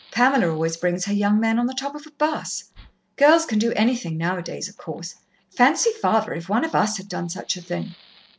Pamela always brings her young men on the top of a 'bus. Girls can do anything now a days, of course. Fancy father, if one of us had done such a thing!"